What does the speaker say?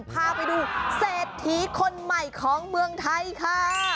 พาไปดูเศรษฐีคนใหม่ของเมืองไทยค่ะ